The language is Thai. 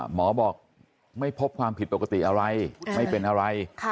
หมอบอกไม่พบความผิดปกติอะไรไม่เป็นอะไร